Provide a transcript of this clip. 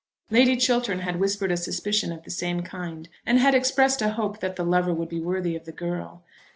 Lady Chiltern had whispered a suspicion of the same kind, and had expressed a hope that the lover would be worthy of the girl.